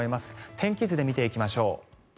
天気図で見ていきましょう。